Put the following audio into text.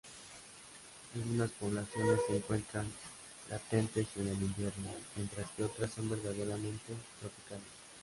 Algunas poblaciones se encuentran latentes en el invierno, mientras que otras son verdaderamente tropicales.